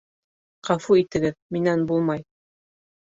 Ғәфү итегеҙ, минән булмай.